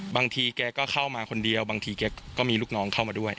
บางทีแกก็เข้ามาคนเดียวบางทีแกก็มีลูกน้องเข้ามาด้วย